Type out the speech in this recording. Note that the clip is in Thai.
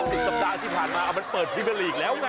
ติดสัปดาห์ที่ผ่านมามันเปิดพิเมอร์ลีกแล้วไง